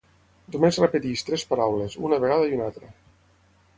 Només repeteix tres paraules, una vegada i una altra.